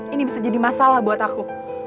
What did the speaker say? ini bisa jadi masalah buat aku